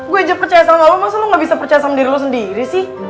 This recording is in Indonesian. gue aja percaya sama lo masa lo gak bisa percaya sama diri lo sendiri sih